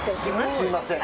すいません。